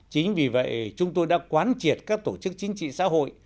chính vì vậy chúng tôi đã quán triệt các tổ chức chính trị xã hội